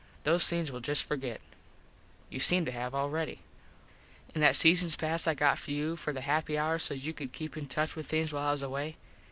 Those things we'll just forget. You seem to have already. An that seasons pass I got for you for the Happyhour sos you could keep in touch with things while I was away.